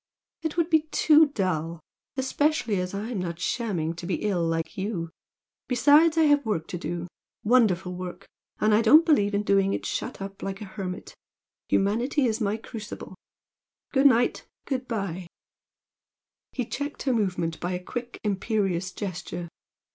"It would be too dull, especially as I'm not shamming to be ill, like you. Besides, I have work to do! wonderful work! and I don't believe in doing it shut up like a hermit. Humanity is my crucible! Good night, good bye!" He checked her movement by a quick, imperious gesture.